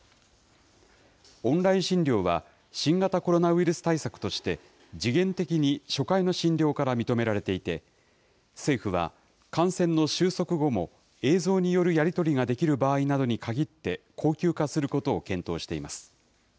オンライン診療は、新型コロナウイルス対策として、時限的に初回の診療から認められていて、政府は感染の収束後も、映像によるやり取りができる場合などにかぎって、恒久化することを検討しています。